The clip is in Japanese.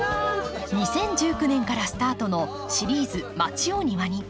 ２０１９年からスタートのシリーズ「まちをニワに」。